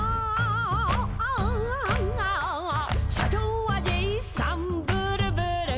「社長はジェイさんブルブル君」